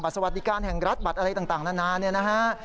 สวัสดิการแห่งรัฐบัตรอะไรต่างนานาเนี่ยนะฮะ